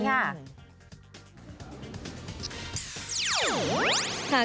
คำพูดที่ใช้เรียกติดปาก